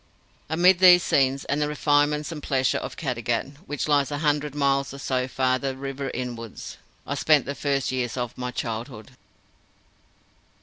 Amid these scenes, and the refinements and pleasures of Caddagat, which lies a hundred miles or so farther Riverinawards, I spent the first years of my childhood.